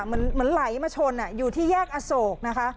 เหมือนไหลมาชนอยู่ที่แยกอโศกนะคะ